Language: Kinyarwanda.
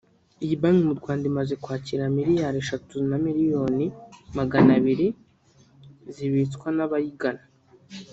Iyi Bank mu Rwanda imaze kwakira miriyari eshanu na miliyoni Maganabiri zibitswa n’abayigana